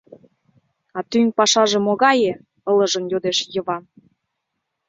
— А тӱҥ пашаже могае? — ылыжын йодеш Йыван.